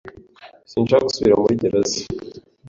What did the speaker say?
Sinshaka gusubira muri gereza.